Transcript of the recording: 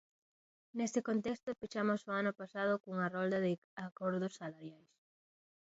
Neste contexto pechamos o ano pasado cunha rolda de acordos salariais.